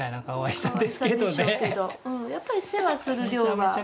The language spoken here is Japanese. かわいさでしょうけどやっぱり世話する量は。